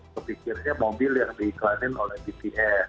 kepikirnya mobil yang diiklanin oleh bts